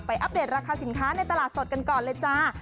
อัปเดตราคาสินค้าในตลาดสดกันก่อนเลยจ้า